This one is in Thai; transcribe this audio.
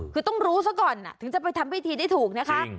คือต้องรู้ซะก่อนถึงจะไปทำพิธีได้ถูกนะคะ